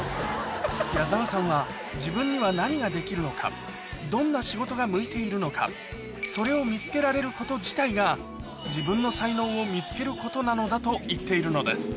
矢沢さんは、自分には何ができるのか、どんな仕事が向いているのか、それを見つけられること自体が、自分の才能を見つけることなのだと言っているのです。